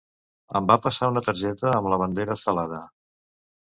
Em va passar una targeta amb la bandera estelada.